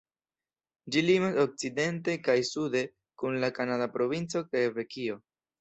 Ĝi limas okcidente kaj sude kun la kanada provinco Kebekio.